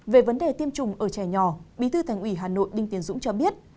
về vấn đề tiêm chủng ở trẻ nhỏ bí thư thành ủy hà nội đinh tiến dũng cho biết